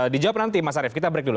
dijawab nanti mas arief kita break dulu